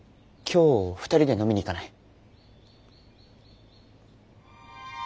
今日２人で飲みに行かない？